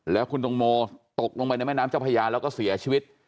แล้วคุณตังโมตกลงไปในแม่น้ำเจ้าพญาแล้วก็เสียชีวิต